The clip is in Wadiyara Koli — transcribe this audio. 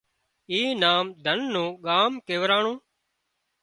اي نام ڌن نُون ڳان ڪيوَراڻون